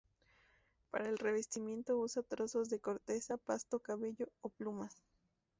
Para el revestimiento usa trozos de corteza, pasto, cabello o plumas.